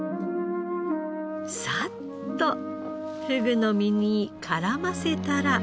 さっとふぐの身に絡ませたら。